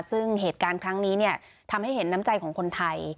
ซึ่งเหตุการณ์ครั้งนี้ทำให้เห็นน้ำใจของคนไทย